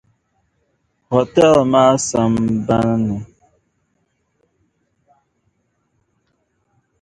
Hotel maa sambani ni.